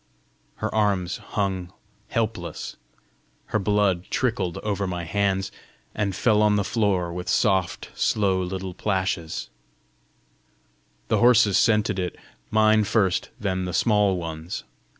Her arms hung helpless; her blood trickled over my hands, and fell on the floor with soft, slow little plashes. The horses scented it mine first, then the small ones.